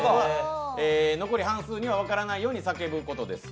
残り半数には分からないように叫ぶことです。